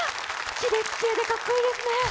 キレッキレでかっこいいですね。